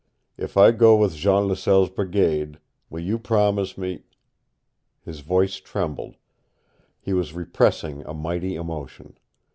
If I go with Jean Laselle's brigade, will you promise me " His voice trembled. He was repressing a mighty emotion.